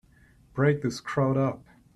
Break this crowd up!